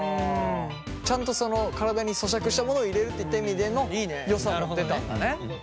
ちゃんとその体に咀嚼したものを入れるっていった意味でのよさも出たんだね。